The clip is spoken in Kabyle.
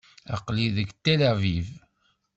Aql-i deg Tel Aviv.